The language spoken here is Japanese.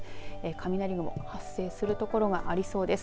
雷雲が発生する所がありそうです。